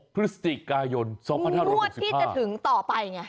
๑๖พฤศติกายน๒๕๖๕งวดที่จะถึงต่อไปไง